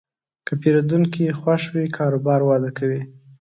که پیرودونکی خوښ وي، کاروبار وده کوي.